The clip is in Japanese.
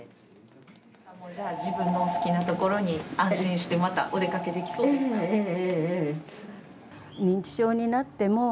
自分の好きなところに安心してまたお出かけできそうですね。